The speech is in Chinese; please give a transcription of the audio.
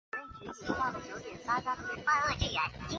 丹麦克朗是丹麦的法定货币。